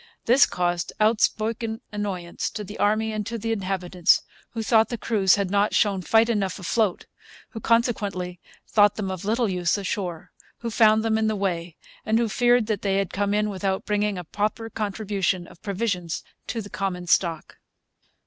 This caused outspoken annoyance to the army and to the inhabitants, who thought the crews had not shown fight enough afloat, who consequently thought them of little use ashore, who found them in the way, and who feared they had come in without bringing a proper contribution of provisions to the common stock.